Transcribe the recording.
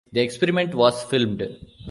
The experiment was filmed.